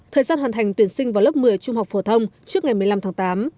thời gian hoàn thành tuyển sinh vào lớp một mươi trung học phổ thông trước ngày một mươi năm tháng tám